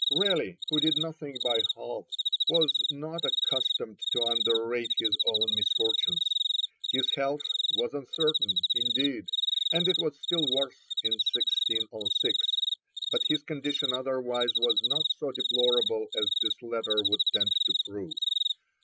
Raleigh, who did nothing by halves, was not accustomed to underrate his own misfortunes. His health was uncertain, indeed, and it was still worse in 1606; but his condition otherwise was not so deplorable as this letter would tend to prove.